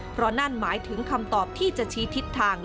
เพราะนั่นหมายถึงคำตอบที่จะชี้ทิศทาง